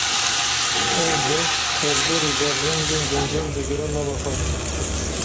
Ev beş, tevger û berjengên guncav digire nava xwe.